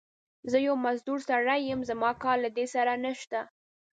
زه يو مزدور سړی يم، زما کار له دې سره نشته.